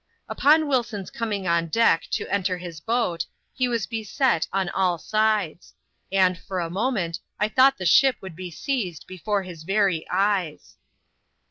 Upon Wilson's coming on deck to enter his boat, he was beset on all sides ; and, for a moment, I thought the ship would be seized before his very eyes.